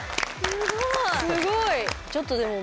すごい。